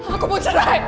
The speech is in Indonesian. aku mau cerai